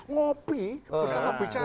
ngopi bersama bicara